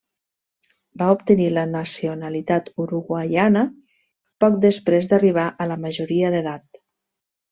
Va obtenir la nacionalitat uruguaiana poc després d'arribar a la majoria d'edat.